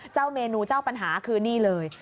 เจ้าเมนูเจ้าปัญหาคือนี่เลย